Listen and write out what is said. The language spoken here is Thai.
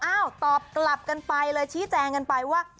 ตอบกลับกันไปเลยชี้แจงกันไปว่า